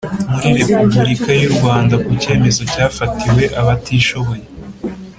Muri repubulika y u rwanda ku cyemezo cyafatiwe abatishoboye